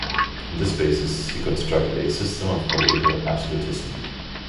On this basis, he constructed a system of political absolutism.